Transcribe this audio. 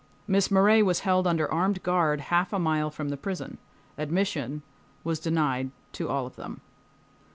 Miss Morey was held under armed guard half a mile from the prison. Admission was denied to all of them.